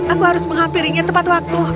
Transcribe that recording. aku harus menghampirinya tepat waktu